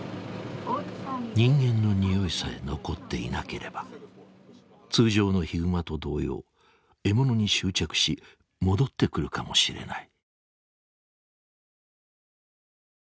人間のにおいさえ残っていなければ通常のヒグマと同様獲物に執着し戻ってくるかもしれない。